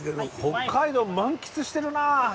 北海道満喫してるな。